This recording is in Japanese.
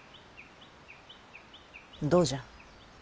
どうじゃ。